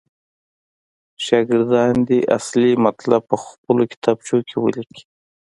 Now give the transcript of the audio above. شاګردان دې اصلي مطلب پخپلو کتابچو کې ولیکي.